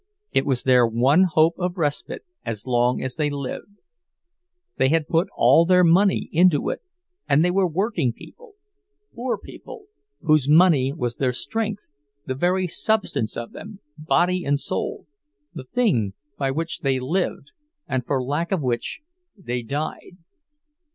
It was their one hope of respite, as long as they lived; they had put all their money into it—and they were working people, poor people, whose money was their strength, the very substance of them, body and soul, the thing by which they lived and for lack of which they died.